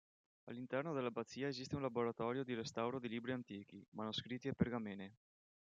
All'interno dell'abbazia esiste un laboratorio di restauro di libri antichi, manoscritti e pergamene.